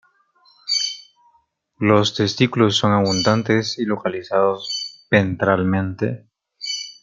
Los testículos son abundantes y localizados ventralmente.